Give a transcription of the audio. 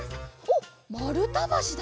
おっまるたばしだ。